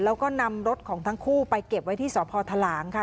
แล้วก็นำรถของทั้งคู่ไปเก็บไว้ที่สพทหลางค่ะ